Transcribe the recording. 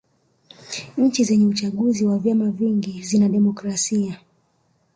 nchi zenye uchaguzi wa vyama vingi zina demokrasia